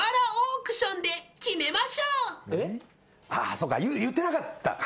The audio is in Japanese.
そっか言ってなかったか。